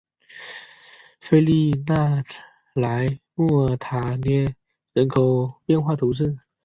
弗利讷莱莫尔塔涅人口变化图示